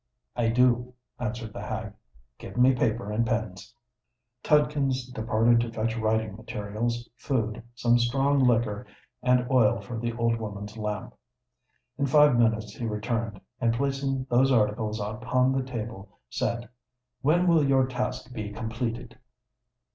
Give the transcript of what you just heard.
"I do," answered the hag. "Give me paper and pens." Tidkins departed to fetch writing materials, food, some strong liquor, and oil for the old woman's lamp. In five minutes he returned; and, placing those articles upon the table, said, "When will your task be completed?"